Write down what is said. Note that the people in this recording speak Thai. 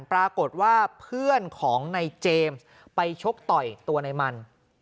ปรากฏว่าเพื่อนของในเจมส์ไปชกต่อยตัวในมัน